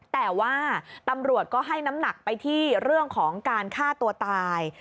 แต่ว่าตำรวจก็ให้น้ำหนักไปที่เรื่องของการฆ่าตัวตาย